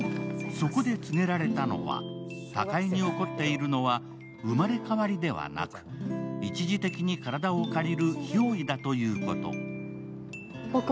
そこで告げられたのは、貴恵に起こっているのは生まれ変わりではなく、一時的に体を借りるひょう依だということ。